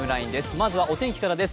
まずはお天気からです。